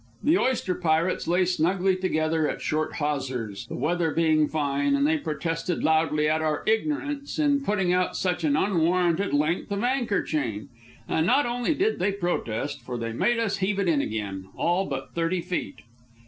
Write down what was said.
The oyster pirates lay snugly together at short hawsers, the weather being fine, and they protested loudly at our ignorance in putting out such an unwarranted length of anchor chain. And not only did they protest, for they made us heave it in again, all but thirty feet.